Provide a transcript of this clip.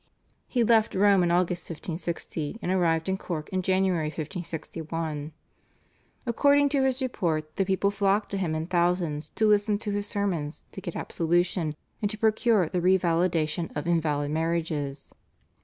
He left Rome in August 1560, and arrived in Cork in January 1561. According to his report the people flocked to him in thousands to listen to his sermons, to get absolution, and to procure the re validation of invalid marriages.